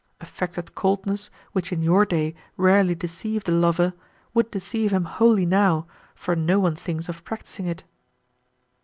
Affected coldness, which in your day rarely deceived a lover, would deceive him wholly now, for no one thinks of practicing it."